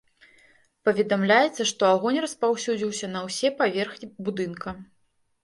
Паведамляецца, што агонь распаўсюдзіўся на ўсе паверхі будынка.